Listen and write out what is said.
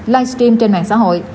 livestream trên mạng xã hội